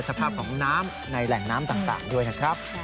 สภาพของน้ำในแหล่งน้ำต่างด้วยนะครับ